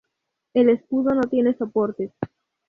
El escudo no tiene soportes.